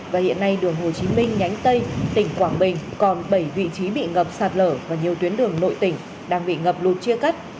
và hiện nay đường hồ chí minh nhánh tây tỉnh quảng bình còn bảy vị trí bị ngập sạt lở và nhiều tuyến đường nội tỉnh đang bị ngập lụt chia cắt